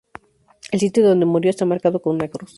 El sitio donde murió está marcado con una cruz.